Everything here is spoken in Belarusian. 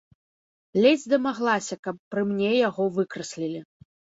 Ледзь дамаглася, каб пры мне яго выкраслілі.